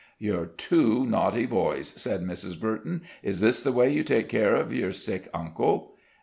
"You're two naughty boys," said Mrs. Burton. "Is this the way you take care of your sick uncle?"